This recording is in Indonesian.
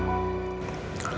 sampai jumpa lagi